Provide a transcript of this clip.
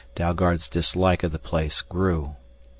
Dalgard's dislike of the place grew.